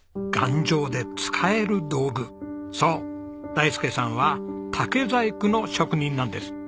そう大介さんは竹細工の職人なんです。